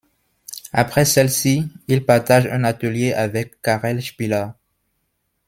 Après celles-ci, il partage un atelier avec Karel Špillar.